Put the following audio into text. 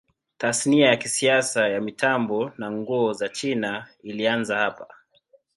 Tasnia ya kisasa ya mitambo na nguo ya China ilianza hapa.